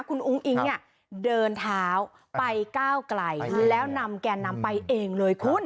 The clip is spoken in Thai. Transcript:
อุ้งอิงเดินท้าวไปก้าวไกลแล้วนำแกนนำไปเองเลย